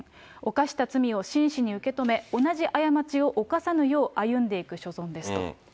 犯した罪を真摯に受け止め、同じ過ちを犯さぬよう歩んでいく所存ですと。